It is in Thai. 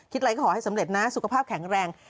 อะไรก็ขอให้สำเร็จนะสุขภาพแข็งแรง